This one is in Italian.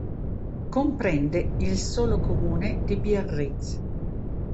Comprende il solo comune di Biarritz.